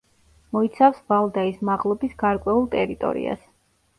მოიცავს ვალდაის მაღლობის გარკვეულ ტერიტორიას.